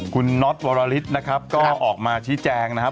คุณน็อตวอราฬิตก็ออกมาชี้แจงนะครับ